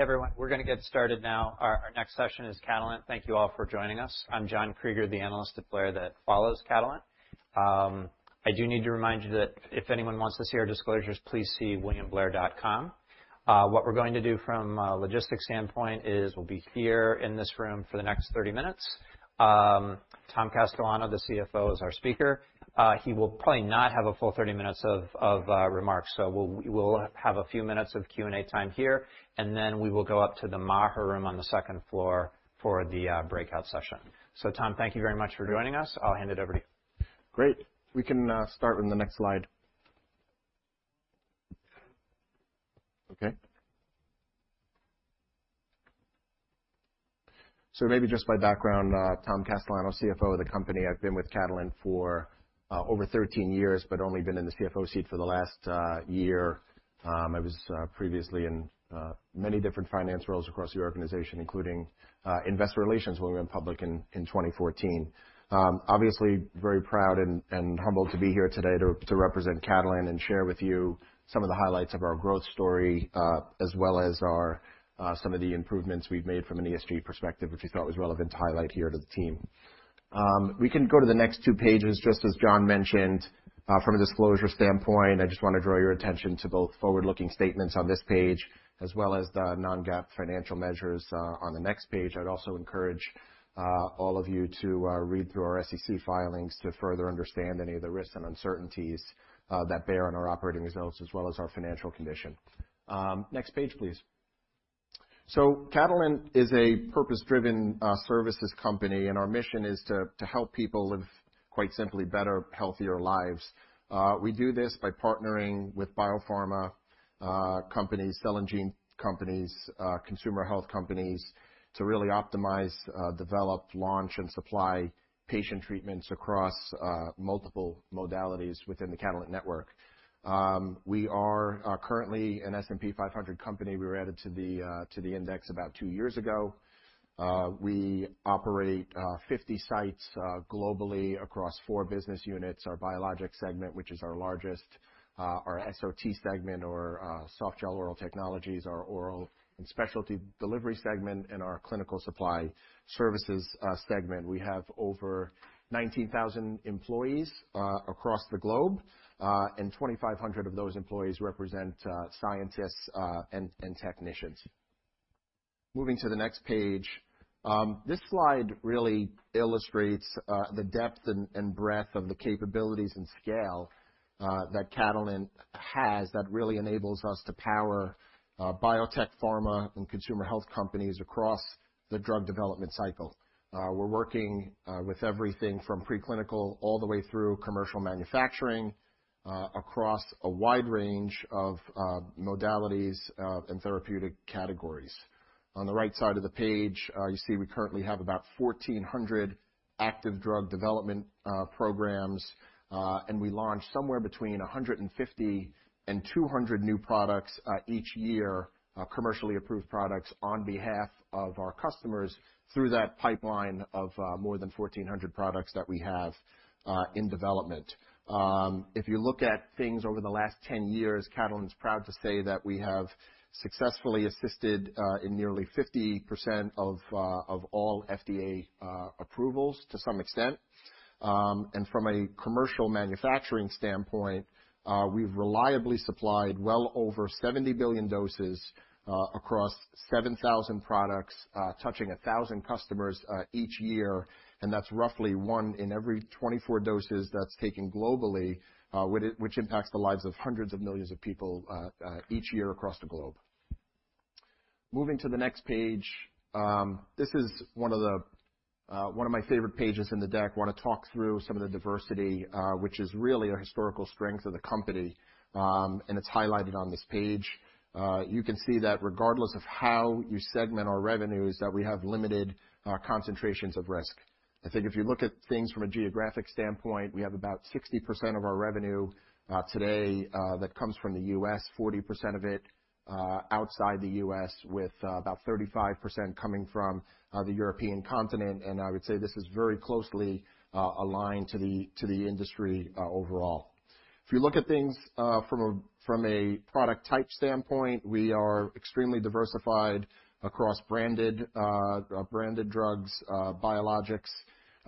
Everyone, we're going to get started now. Our next session is Catalent. Thank you all for joining us. I'm John Kreger, the analyst at Blair that follows Catalent. I do need to remind you that if anyone wants to see our disclosures, please see williamblair.com. What we're going to do from a logistics standpoint is we'll be here in this room for the next 30 minutes. Tom Castellano, the CFO, is our speaker. He will probably not have a full 30 minutes of remarks, so we'll have a few minutes of Q&A time here, and then we will go up to the Maher Room on the second floor for the breakout session. So Tom, thank you very much for joining us. I'll hand it over to you. Great. We can start with the next slide. Okay. So maybe just my background: Tom Castellano, CFO of the company. I've been with Catalent for over 13 years, but only been in the CFO seat for the last year. I was previously in many different finance roles across the organization, including investor relations when we went public in 2014. Obviously, very proud and humbled to be here today to represent Catalent and share with you some of the highlights of our growth story, as well as some of the improvements we've made from an ESG perspective, which we thought was relevant to highlight here to the team. We can go to the next two pages. Just as John mentioned, from a disclosure standpoint, I just want to draw your attention to both forward-looking statements on this page, as well as the non-GAAP financial measures on the next page. I'd also encourage all of you to read through our SEC filings to further understand any of the risks and uncertainties that bear on our operating results, as well as our financial condition. Next page, please. Catalent is a purpose-driven services company, and our mission is to help people live, quite simply, better, healthier lives. We do this by partnering with biopharma companies, cell and gene companies, consumer health companies, to really optimize, develop, launch, and supply patient treatments across multiple modalities within the Catalent network. We are currently an S&P 500 company. We were added to the index about two years ago. We operate 50 sites globally across four business units: our Biologics segment, which is our largest, our SOT segment, or Softgel and Oral Technologies, our Oral and Specialty Delivery segment, and our Clinical Supply Services segment. We have over 19,000 employees across the globe, and 2,500 of those employees represent scientists and technicians. Moving to the next page, this slide really illustrates the depth and breadth of the capabilities and scale that Catalent has that really enables us to power biotech, pharma, and consumer health companies across the drug development cycle. We're working with everything from preclinical all the way through commercial manufacturing across a wide range of modalities and therapeutic categories. On the right side of the page, you see we currently have about 1,400 active drug development programs, and we launch somewhere between 150 and 200 new products each year, commercially approved products on behalf of our customers through that pipeline of more than 1,400 products that we have in development. If you look at things over the last 10 years, Catalent is proud to say that we have successfully assisted in nearly 50% of all FDA approvals to some extent. And from a commercial manufacturing standpoint, we've reliably supplied well over 70 billion doses across 7,000 products, touching 1,000 customers each year, and that's roughly one in every 24 doses that's taken globally, which impacts the lives of hundreds of millions of people each year across the globe. Moving to the next page, this is one of my favorite pages in the deck. I want to talk through some of the diversity, which is really a historical strength of the company, and it's highlighted on this page. You can see that regardless of how you segment our revenues, that we have limited concentrations of risk. I think if you look at things from a geographic standpoint, we have about 60% of our revenue today that comes from the U.S., 40% of it outside the U.S., with about 35% coming from the European continent, and I would say this is very closely aligned to the industry overall. If you look at things from a product type standpoint, we are extremely diversified across branded drugs, biologics,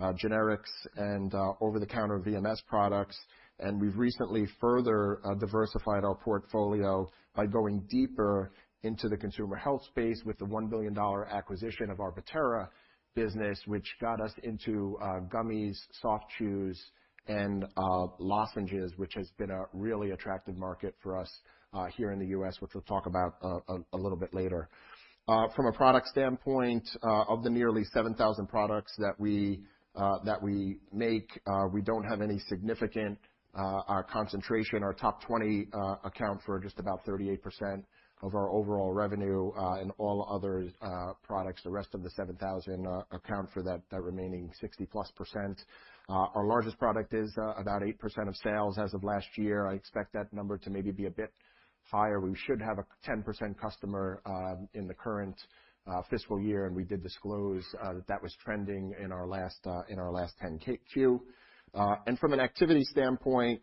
generics, and over-the-counter VMS products, and we've recently further diversified our portfolio by going deeper into the consumer health space with the $1 billion acquisition of our Bettera business, which got us into gummies, soft chews, and lozenges, which has been a really attractive market for us here in the U.S., which we'll talk about a little bit later. From a product standpoint, of the nearly 7,000 products that we make, we don't have any significant concentration. Our top 20 accounts for just about 38% of our overall revenue, and all other products, the rest of the 7,000 accounts for that remaining 60-plus%. Our largest product is about 8% of sales as of last year. I expect that number to maybe be a bit higher. We should have a 10% customer in the current fiscal year, and we did disclose that that was trending in our last 10-Q. And from an activity standpoint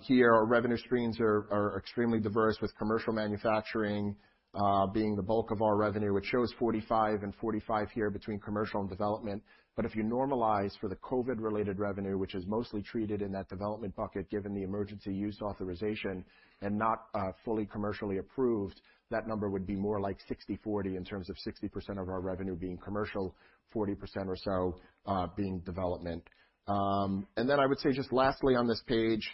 here, our revenue streams are extremely diverse, with commercial manufacturing being the bulk of our revenue, which shows 45% and 45% here between commercial and development. But if you normalize for the COVID-related revenue, which is mostly treated in that development bucket given the emergency use authorization and not fully commercially approved, that number would be more like 60%-40% in terms of 60% of our revenue being commercial, 40% or so being development. And then I would say just lastly on this page,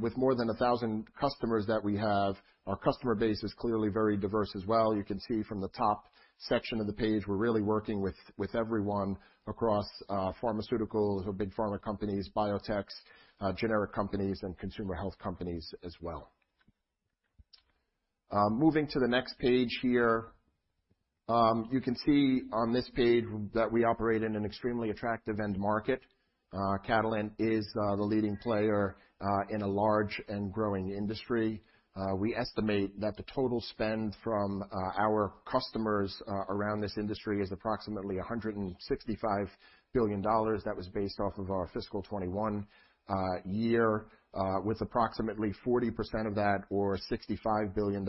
with more than 1,000 customers that we have, our customer base is clearly very diverse as well. You can see from the top section of the page, we're really working with everyone across pharmaceuticals, big pharma companies, biotechs, generic companies, and consumer health companies as well. Moving to the next page here, you can see on this page that we operate in an extremely attractive end market. Catalent is the leading player in a large and growing industry. We estimate that the total spend from our customers around this industry is approximately $165 billion. That was based off of our fiscal 2021 year, with approximately 40% of that, or $65 billion,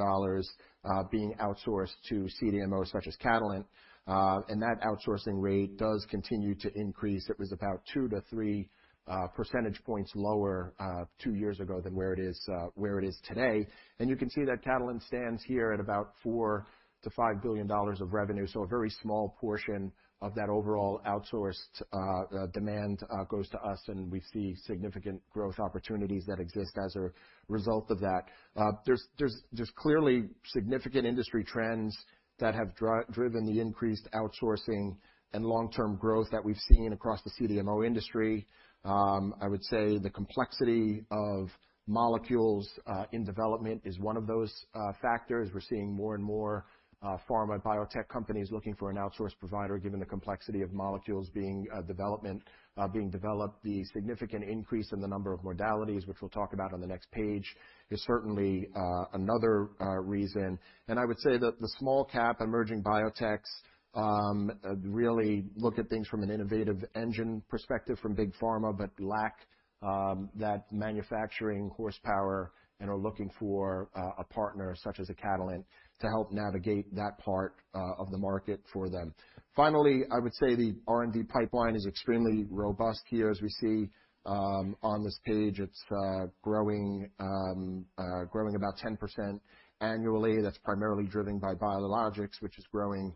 being outsourced to CDMOs such as Catalent. And that outsourcing rate does continue to increase. It was about two to three percentage points lower two years ago than where it is today. You can see that Catalent stands here at about $4 to $5 billion of revenue, so a very small portion of that overall outsourced demand goes to us, and we see significant growth opportunities that exist as a result of that. There's clearly significant industry trends that have driven the increased outsourcing and long-term growth that we've seen across the CDMO industry. I would say the complexity of molecules in development is one of those factors. We're seeing more and more pharma and biotech companies looking for an outsourced provider, given the complexity of molecules being developed. The significant increase in the number of modalities, which we'll talk about on the next page, is certainly another reason. I would say that the small-cap emerging biotechs really look at things from an innovative engine perspective from big pharma, but lack that manufacturing horsepower and are looking for a partner such as Catalent to help navigate that part of the market for them. Finally, I would say the R&D pipeline is extremely robust here. As we see on this page, it's growing about 10% annually. That's primarily driven by biologics, which is growing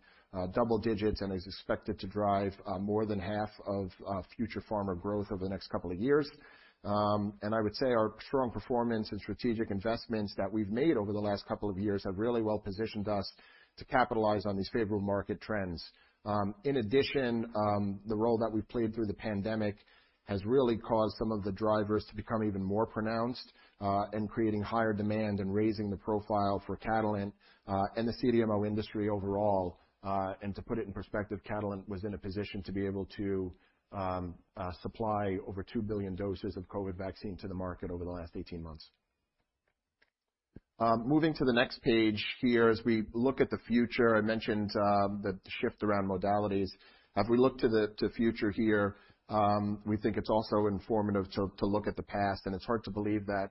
double digits and is expected to drive more than half of future pharma growth over the next couple of years. I would say our strong performance and strategic investments that we've made over the last couple of years have really well positioned us to capitalize on these favorable market trends. In addition, the role that we've played through the pandemic has really caused some of the drivers to become even more pronounced and creating higher demand and raising the profile for Catalent and the CDMO industry overall, and to put it in perspective, Catalent was in a position to be able to supply over 2 billion doses of COVID vaccine to the market over the last 18 months. Moving to the next page here, as we look at the future, I mentioned the shift around modalities. As we look to the future here, we think it's also informative to look at the past, and it's hard to believe that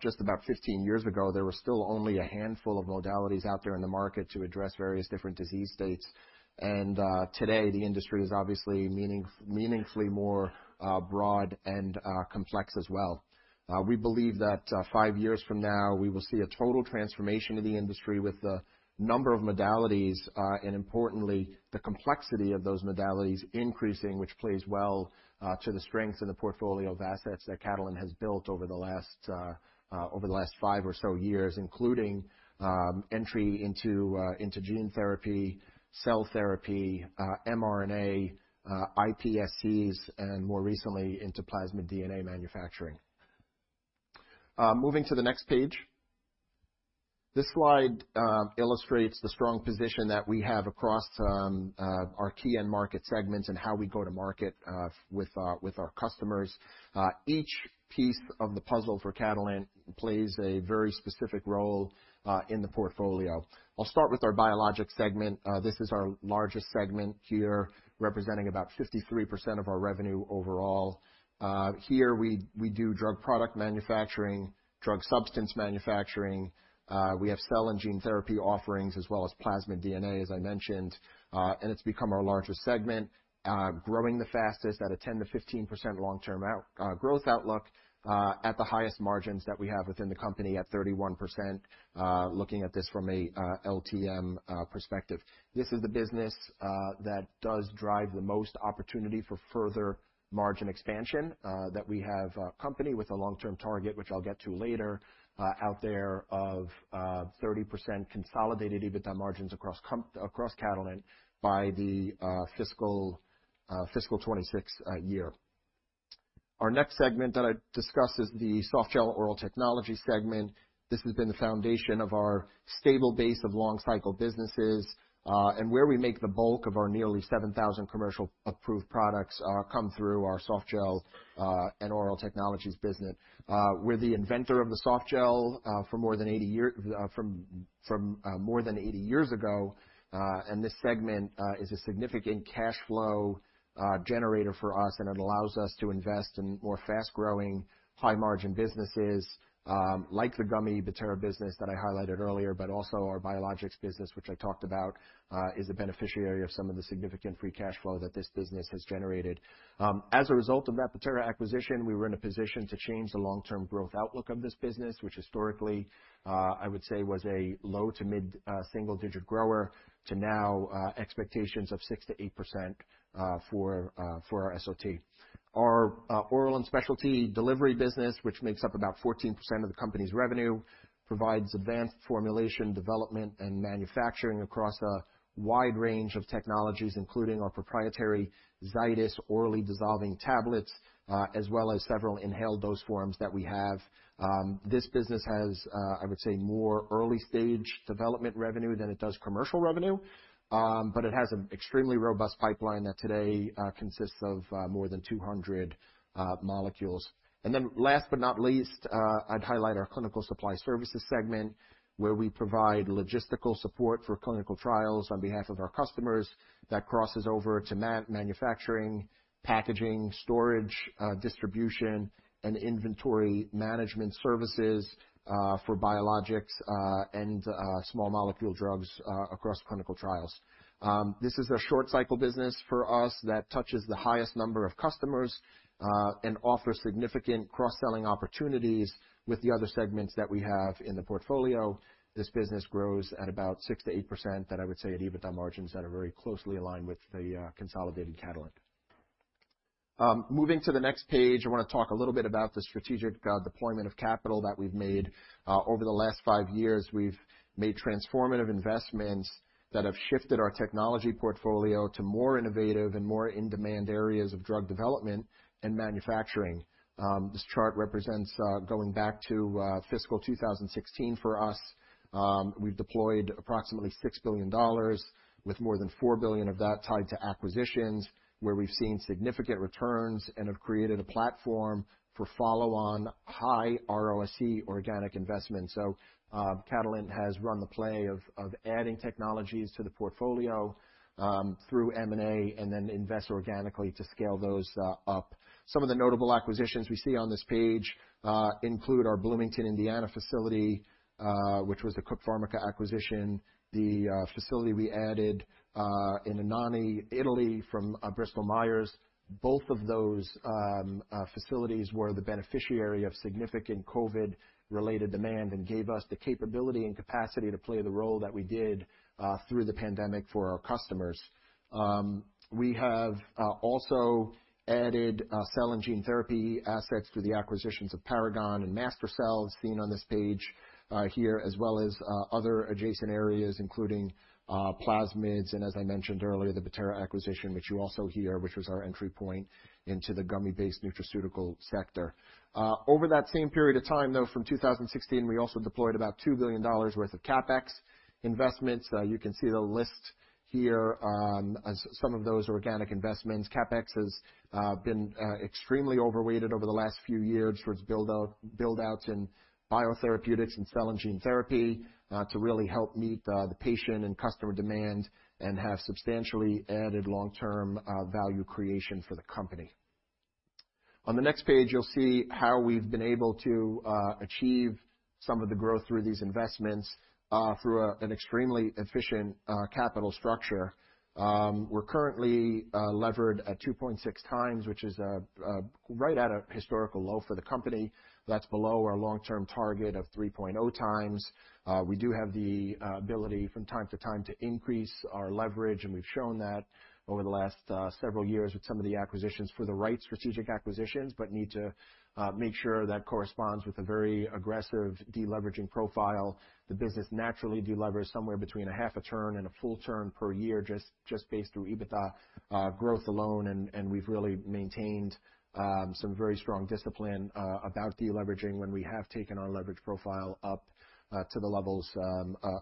just about 15 years ago, there were still only a handful of modalities out there in the market to address various different disease states, and today, the industry is obviously meaningfully more broad and complex as well. We believe that five years from now, we will see a total transformation of the industry with the number of modalities and, importantly, the complexity of those modalities increasing, which plays well to the strength and the portfolio of assets that Catalent has built over the last five or so years, including entry into gene therapy, cell therapy, mRNA, iPSCs, and more recently into plasmid DNA manufacturing. Moving to the next page, this slide illustrates the strong position that we have across our key end market segments and how we go to market with our customers. Each piece of the puzzle for Catalent plays a very specific role in the portfolio. I'll start with our Biologics segment. This is our largest segment here, representing about 53% of our revenue overall. Here, we do drug product manufacturing, drug substance manufacturing. We have cell and gene therapy offerings, as well as plasmid DNA, as I mentioned, and it's become our largest segment, growing the fastest at a 10%-15% long-term growth outlook at the highest margins that we have within the company at 31%, looking at this from an LTM perspective. This is the business that does drive the most opportunity for further margin expansion that we have a company with a long-term target, which I'll get to later, out there of 30% consolidated EBITDA margins across Catalent by the fiscal 2026 year. Our next segment that I discuss is the softgel oral technology segment. This has been the foundation of our stable base of long-cycle businesses, and where we make the bulk of our nearly 7,000 commercial-approved products come through our softgel and oral technologies business. We're the inventor of the softgel for more than 80 years ago, and this segment is a significant cash flow generator for us, and it allows us to invest in more fast-growing, high-margin businesses like the gummy Bettera business that I highlighted earlier, but also our biologics business, which I talked about is a beneficiary of some of the significant free cash flow that this business has generated. As a result of that Battera acquisition, we were in a position to change the long-term growth outlook of this business, which historically, I would say, was a low to mid-single-digit grower to now expectations of 6%-8% for our SOT. Our oral and specialty delivery business, which makes up about 14% of the company's revenue, provides advanced formulation, development, and manufacturing across a wide range of technologies, including our proprietary Zydis orally disintegrating tablets, as well as several inhaled dose forms that we have. This business has, I would say, more early-stage development revenue than it does commercial revenue, but it has an extremely robust pipeline that today consists of more than 200 molecules. And then last but not least, I'd highlight our clinical supply services segment, where we provide logistical support for clinical trials on behalf of our customers that crosses over to manufacturing, packaging, storage, distribution, and inventory management services for biologics and small molecule drugs across clinical trials. This is a short-cycle business for us that touches the highest number of customers and offers significant cross-selling opportunities with the other segments that we have in the portfolio. This business grows at about 6%-8% that I would say at EBITDA margins that are very closely aligned with the consolidated Catalent. Moving to the next page, I want to talk a little bit about the strategic deployment of capital that we've made over the last five years. We've made transformative investments that have shifted our technology portfolio to more innovative and more in-demand areas of drug development and manufacturing. This chart represents going back to fiscal 2016 for us. We've deployed approximately $6 billion, with more than $4 billion of that tied to acquisitions, where we've seen significant returns and have created a platform for follow-on high ROIC Organic Investment. So Catalent has run the play of adding technologies to the portfolio through M&A and then invest organically to scale those up. Some of the notable acquisitions we see on this page include our Bloomington, Indiana facility, which was the Cook Pharmica acquisition, the facility we added in Anagni, Italy, from Bristol Myers Squibb. Both of those facilities were the beneficiary of significant COVID-related demand and gave us the capability and capacity to play the role that we did through the pandemic for our customers. We have also added cell and gene therapy assets through the acquisitions of Paragon and MaSTherCell, seen on this page here, as well as other adjacent areas, including plasmids, and as I mentioned earlier, the Bettera acquisition, which you also hear, which was our entry point into the gummy-based nutraceutical sector. Over that same period of time, though, from 2016, we also deployed about $2 billion worth of CapEx investments. You can see the list here as some of those organic investments. CapEx has been extremely overweighted over the last few years for its buildouts in biotherapeutics and cell and gene therapy to really help meet the patient and customer demand and have substantially added long-term value creation for the company. On the next page, you'll see how we've been able to achieve some of the growth through these investments through an extremely efficient capital structure. We're currently levered at 2.6 times, which is right at a historical low for the company. That's below our long-term target of 3.0 times. We do have the ability from time to time to increase our leverage, and we've shown that over the last several years with some of the acquisitions for the right strategic acquisitions, but need to make sure that corresponds with a very aggressive deleveraging profile. The business naturally delivers somewhere between a half a turn and a full turn per year just based through EBITDA growth alone, and we've really maintained some very strong discipline about deleveraging when we have taken our leverage profile up to the levels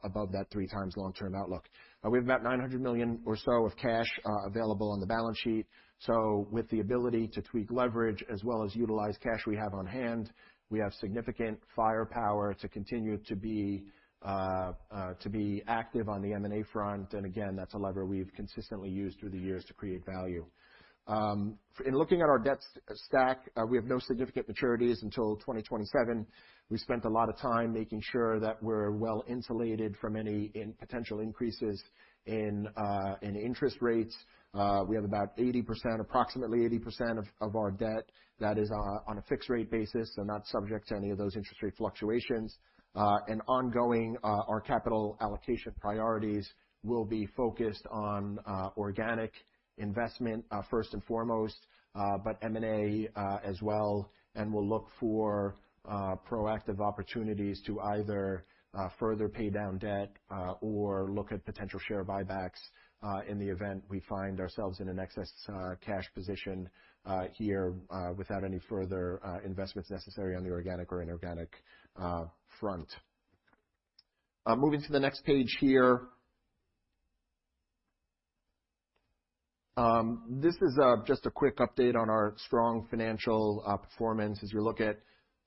above that three-times long-term outlook. We have about $900 million or so of cash available on the balance sheet, so with the ability to tweak leverage as well as utilize cash we have on hand, we have significant firepower to continue to be active on the M&A front, and again, that's a lever we've consistently used through the years to create value. In looking at our debt stack, we have no significant maturities until 2027. We spent a lot of time making sure that we're well insulated from any potential increases in interest rates. We have about 80%, approximately 80% of our debt that is on a fixed-rate basis, so not subject to any of those interest rate fluctuations. And ongoing, our capital allocation priorities will be focused on organic investment first and foremost, but M&A as well, and we'll look for proactive opportunities to either further pay down debt or look at potential share buybacks in the event we find ourselves in an excess cash position here without any further investments necessary on the organic or inorganic front. Moving to the next page here. This is just a quick update on our strong financial performance. As you look at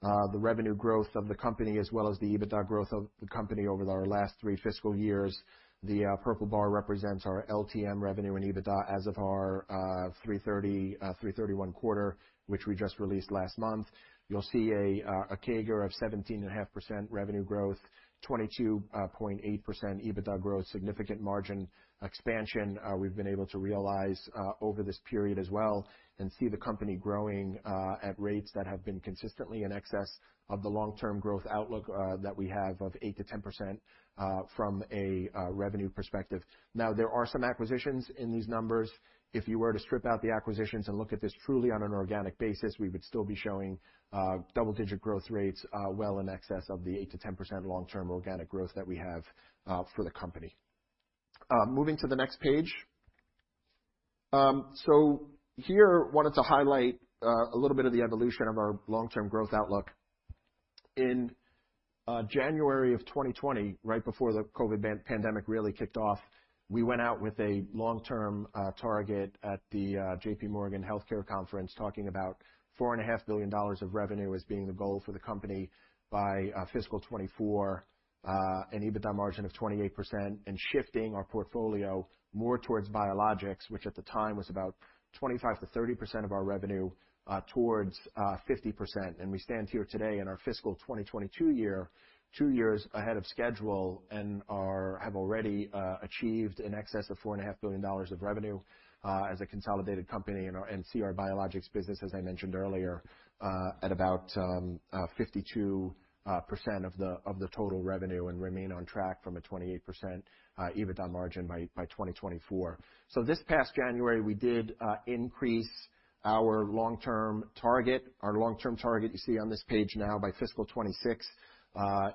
the revenue growth of the company as well as the EBITDA growth of the company over our last three fiscal years, the purple bar represents our LTM revenue and EBITDA as of our third quarter, which we just released last month. You'll see a CAGR of 17.5% revenue growth, 22.8% EBITDA growth, significant margin expansion we've been able to realize over this period as well, and see the company growing at rates that have been consistently in excess of the long-term growth outlook that we have of 8%-10% from a revenue perspective. Now, there are some acquisitions in these numbers. If you were to strip out the acquisitions and look at this truly on an organic basis, we would still be showing double-digit growth rates well in excess of the 8%-10% long-term organic growth that we have for the company. Moving to the next page. So here, I wanted to highlight a little bit of the evolution of our long-term growth outlook. In January of 2020, right before the COVID pandemic really kicked off, we went out with a long-term target at the J.P. Morgan Healthcare Conference, talking about $4.5 billion of revenue as being the goal for the company by fiscal 2024, an EBITDA margin of 28%, and shifting our portfolio more towards biologics, which at the time was about 25%-30% of our revenue, towards 50%, and we stand here today in our fiscal 2022 year, two years ahead of schedule, and have already achieved in excess of $4.5 billion of revenue as a consolidated company and see our biologics business, as I mentioned earlier, at about 52% of the total revenue and remain on track from a 28% EBITDA margin by 2024, so this past January, we did increase our long-term target. Our long-term target you see on this page now by fiscal 2026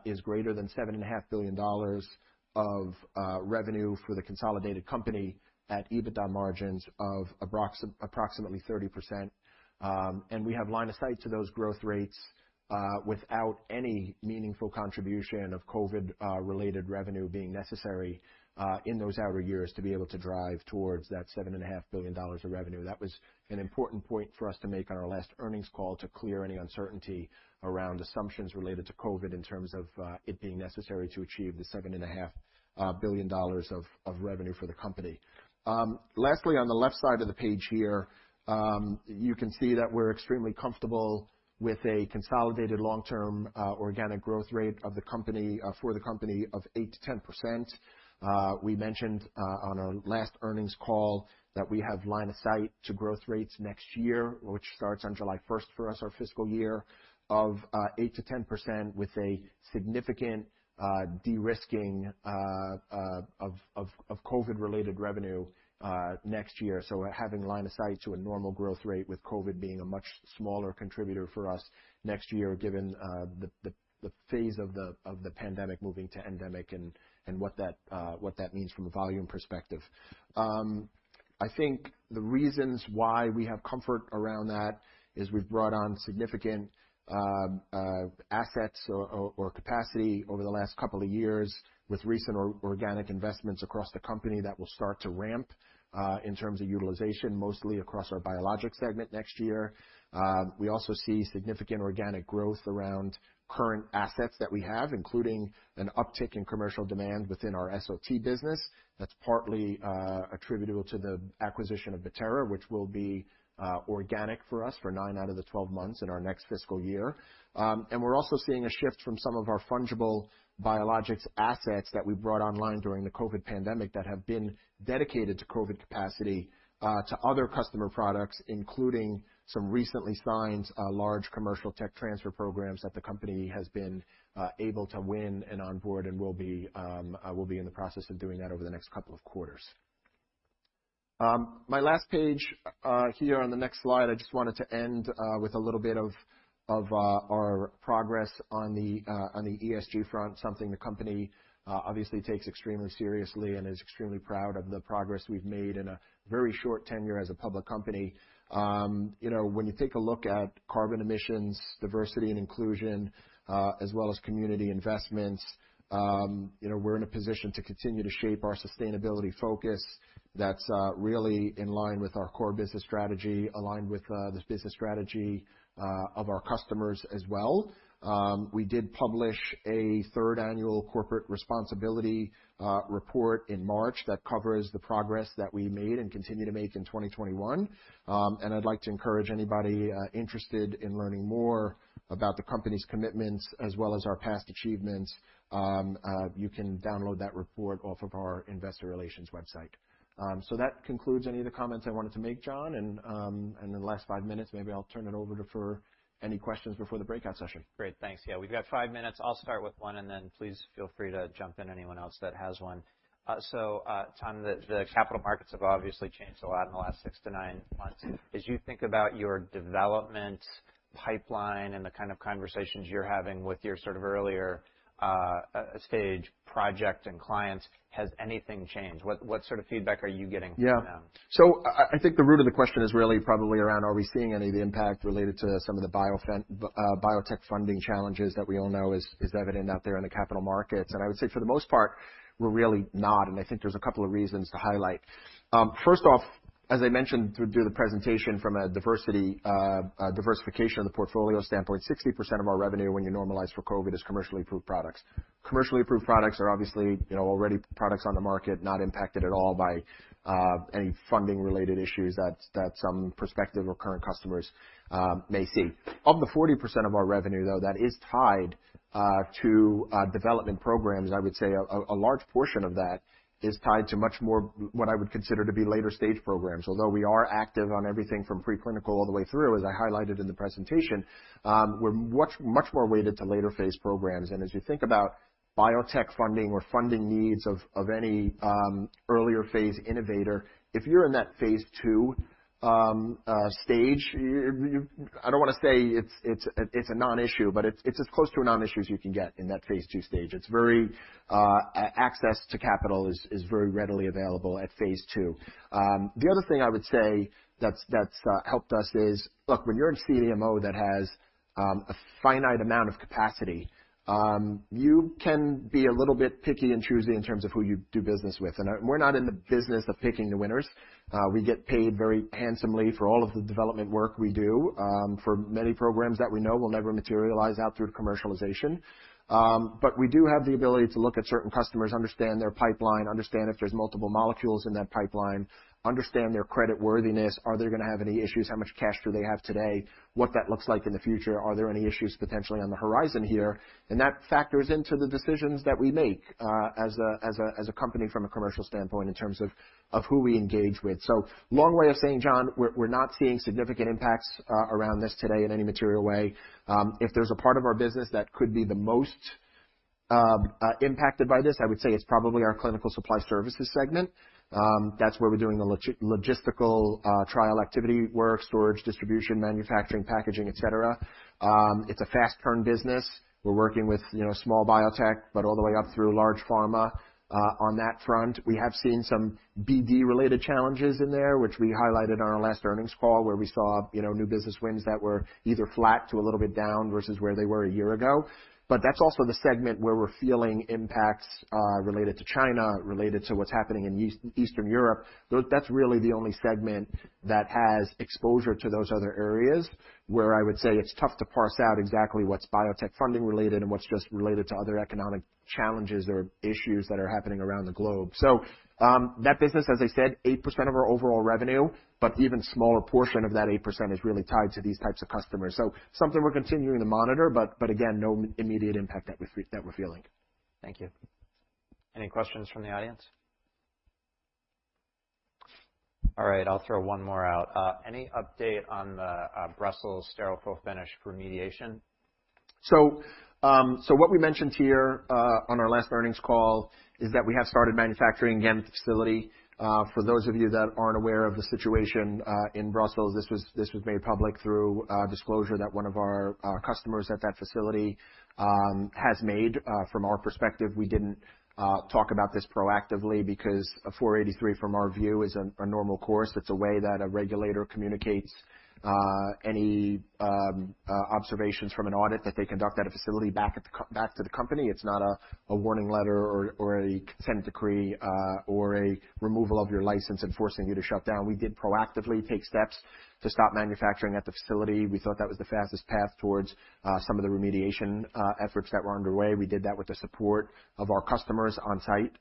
is greater than $7.5 billion of revenue for the consolidated company at EBITDA margins of approximately 30%, and we have aligned to those growth rates without any meaningful contribution of COVID-related revenue being necessary in those outer years to be able to drive towards that $7.5 billion of revenue. That was an important point for us to make on our last earnings call to clear any uncertainty around assumptions related to COVID in terms of it being necessary to achieve the $7.5 billion of revenue for the company. Lastly, on the left side of the page here, you can see that we're extremely comfortable with a consolidated long-term organic growth rate for the company of 8%-10%. We mentioned on our last earnings call that we have guided to growth rates next year, which starts on July 1st for us, our fiscal year, of 8%-10% with a significant de-risking of COVID-related revenue next year. So having guided to a normal growth rate with COVID being a much smaller contributor for us next year, given the phase of the pandemic moving to endemic and what that means from a volume perspective. I think the reasons why we have comfort around that is we've brought on significant assets or capacity over the last couple of years with recent organic investments across the company that will start to ramp in terms of utilization, mostly across our biologics segment next year. We also see significant organic growth around current assets that we have, including an uptick in commercial demand within our SOT business. That's partly attributable to the acquisition of Bettera, which will be organic for us for nine out of the 12 months in our next fiscal year. We're also seeing a shift from some of our fungible biologics assets that we brought online during the COVID pandemic that have been dedicated to COVID capacity to other customer products, including some recently signed large commercial tech transfer programs that the company has been able to win and onboard and will be in the process of doing that over the next couple of quarters. My last page here on the next slide, I just wanted to end with a little bit of our progress on the ESG front, something the company obviously takes extremely seriously and is extremely proud of the progress we've made in a very short tenure as a public company. When you take a look at carbon emissions, diversity and inclusion, as well as community investments, we're in a position to continue to shape our sustainability focus that's really in line with our core business strategy, aligned with the business strategy of our customers as well. We did publish a third annual corporate responsibility report in March that covers the progress that we made and continue to make in 2021. And I'd like to encourage anybody interested in learning more about the company's commitments as well as our past achievements. You can download that report off of our investor relations website. So that concludes any of the comments I wanted to make, John. And in the last five minutes, maybe I'll turn it over to for any questions before the breakout session. Great. Thanks. Yeah, we've got five minutes. I'll start with one, and then please feel free to jump in anyone else that has one. So Tom, the capital markets have obviously changed a lot in the last six to nine months. As you think about your development pipeline and the kind of conversations you're having with your sort of earlier stage project and clients, has anything changed? What sort of feedback are you getting from them? Yeah. So I think the root of the question is really probably around, are we seeing any of the impact related to some of the biotech funding challenges that we all know is evident out there in the capital markets? And I would say for the most part, we're really not. And I think there's a couple of reasons to highlight. First off, as I mentioned through the presentation from a diversification of the portfolio standpoint, 60% of our revenue when you normalize for COVID is commercially approved products. Commercially approved products are obviously already products on the market, not impacted at all by any funding-related issues that some prospective or current customers may see. Of the 40% of our revenue, though, that is tied to development programs, I would say a large portion of that is tied to much more what I would consider to be later stage programs. Although we are active on everything from preclinical all the way through, as I highlighted in the presentation, we're much more weighted to later phase programs. And as you think about biotech funding or funding needs of any earlier phase innovator, if you're in that phase two stage, I don't want to say it's a non-issue, but it's as close to a non-issue as you can get in that phase two stage. Access to capital is very readily available at phase two. The other thing I would say that's helped us is, look, when you're in CDMO that has a finite amount of capacity, you can be a little bit picky and choosy in terms of who you do business with. And we're not in the business of picking the winners. We get paid very handsomely for all of the development work we do for many programs that we know will never materialize out through commercialization. But we do have the ability to look at certain customers, understand their pipeline, understand if there's multiple molecules in that pipeline, understand their credit worthiness. Are they going to have any issues? How much cash do they have today? What that looks like in the future? Are there any issues potentially on the horizon here? And that factors into the decisions that we make as a company from a commercial standpoint in terms of who we engage with. So long way of saying, John, we're not seeing significant impacts around this today in any material way. If there's a part of our business that could be the most impacted by this, I would say it's probably our Clinical Supply Services segment. That's where we're doing the logistical trial activity work, storage, distribution, manufacturing, packaging, et cetera. It's a fast turn business. We're working with small biotech, but all the way up through large pharma on that front. We have seen some BD-related challenges in there, which we highlighted on our last earnings call where we saw new business wins that were either flat to a little bit down versus where they were a year ago. But that's also the segment where we're feeling impacts related to China, related to what's happening in Eastern Europe. That's really the only segment that has exposure to those other areas where I would say it's tough to parse out exactly what's biotech funding related and what's just related to other economic challenges or issues that are happening around the globe. So that business, as I said, 8% of our overall revenue, but even smaller portion of that 8% is really tied to these types of customers. So something we're continuing to monitor, but again, no immediate impact that we're feeling. Thank you. Any questions from the audience? All right, I'll throw one more out. Any update on the Brussels sterile fill-finish remediation? So what we mentioned here on our last earnings call is that we have started manufacturing again at the facility. For those of you that aren't aware of the situation in Brussels, this was made public through disclosure that one of our customers at that facility has made. From our perspective, we didn't talk about this proactively because a 483, from our view, is a normal course. It's a way that a regulator communicates any observations from an audit that they conduct at a facility back to the company. It's not a warning letter or a consent decree or a removal of your license and forcing you to shut down. We did proactively take steps to stop manufacturing at the facility. We thought that was the fastest path towards some of the remediation efforts that were underway. We did that with the support of our customers on site,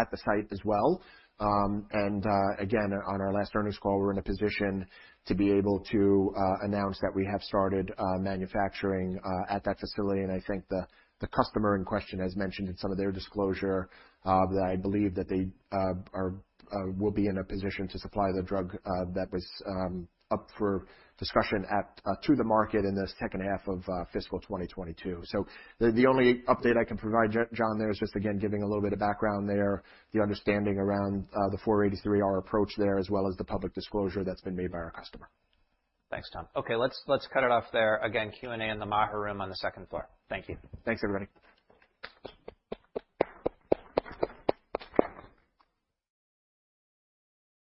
at the site as well, and again, on our last earnings call, we're in a position to be able to announce that we have started manufacturing at that facility, and I think the customer in question has mentioned in some of their disclosure that I believe that they will be in a position to supply the drug that was up for discussion to the market in the second half of fiscal 2022, so the only update I can provide, John, there is just, again, giving a little bit of background there, the understanding around the 483 approach there, as well as the public disclosure that's been made by our customer. Thanks, Tom. Okay, let's cut it off there. Again, Q&A in the Maher Room on the second floor. Thank you. Thanks, everybody.